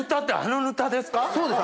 そうです。